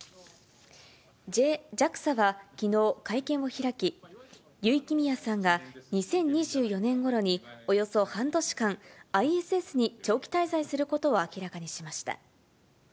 ＪＡＸＡはきのう、会見を開き、油井亀美也さんが２０２４年ごろにおよそ半年間、ＩＳＳに長期滞在することを明らかにしました。